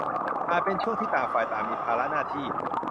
อาจเป็นช่วงที่ต่างฝ่ายต่างมีภาระหน้าที่